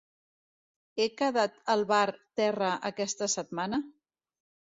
He quedat al Bar Terra aquesta setmana?